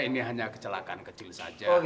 ini hanya kecelakaan kecil saja